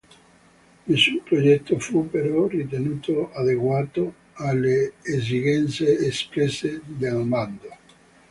Nessun progetto fu però ritenuto adeguato alle esigenze espresse nel bando.